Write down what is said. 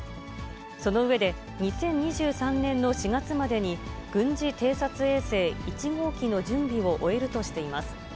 その上で、２０２３年の４月までに、軍事偵察衛星１号機の準備を終えるとしています。